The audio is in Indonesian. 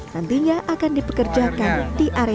nantinya akan dipekerjakan di area